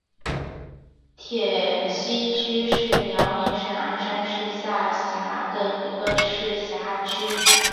铁西区是辽宁省鞍山市下辖的一个市辖区。